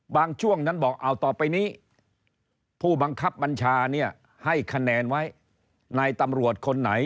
บางช่วงนั้นบอกเอาต่อไปนี้ผู้บังคับบัญชาเนี่ยให้คะแนนไว้